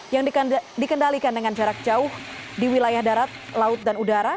yang dikendalikan dengan jarak jauh di wilayah darat laut dan udara